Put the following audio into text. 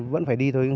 vẫn phải đi thôi